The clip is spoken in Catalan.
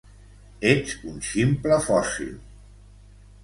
Ets un ximple fòssil.